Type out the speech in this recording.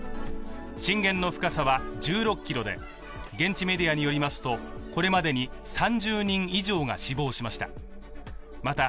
震源の深さは１６ｋｍで現地メディアによりますと、これまでに３０人以上が死亡しました。